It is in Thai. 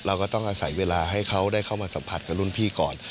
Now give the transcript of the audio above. เราก็ต้องอาศัยเวลาให้เขาได้เข้ามาสัมผัสกับรุ่นพี่ก่อน